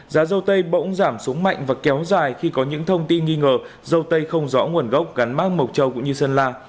giá dâu tây bỗng giảm xuống mạnh và kéo dài khi có những thông tin nghi ngờ dâu tây không rõ nguồn gốc gắn mát mộc châu cũng như sơn la